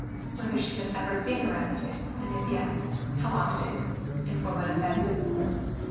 Whether she has ever been arrested, and if yes, how often, and for what offenses?